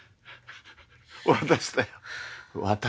私だよ私。